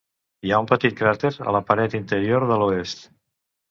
Hi ha un petit cràter a la paret interior de l'oest.